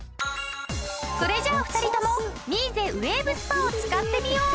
それじゃあ２人ともミーゼウェーブスパを使ってみよう！